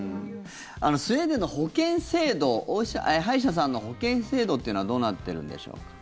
スウェーデンの保険制度歯医者さんの保険制度というのはどうなってるんでしょうか。